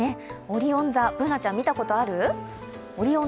オリオン座、Ｂｏｏｎａちゃん、見たことある？